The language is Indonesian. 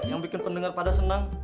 yang bikin pendengar pada senang